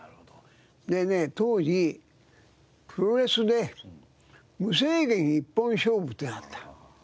でね当時プロレスで無制限一本勝負っていうのがあった。